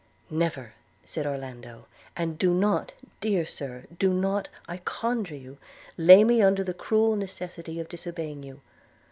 'Never,' said Orlando; 'and do not, dear Sir, do not, I conjure you, lay me under the cruel necessity of disobeying you.